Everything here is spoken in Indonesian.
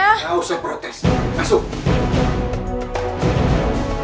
enggak usah protes masuk